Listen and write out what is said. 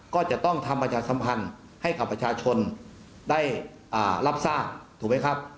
ก็จะต้องทำประชาสัมพันธ์ให้กับประชาชนได้รับทราบถูกไหมครับ